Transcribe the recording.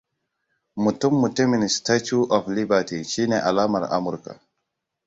Mutum-mutumin Statue of Liberty shine alamar Amurka.